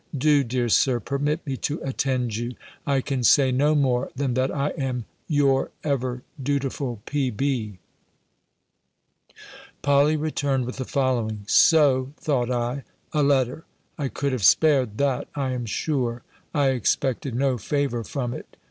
Do, dear Sir, permit me to attend you, I can say no more, than that I am your ever dutiful, "P.B." Polly returned with the following. "So," thought I, "a letter! I could have spared that, I am sure." I expected no favour from it.